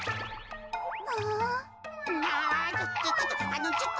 あちょっと。